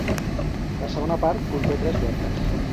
La segona part conté tres lletres.